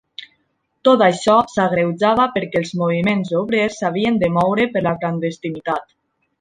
Tot això s'agreujava perquè els moviments obrers s'havien de moure per la clandestinitat.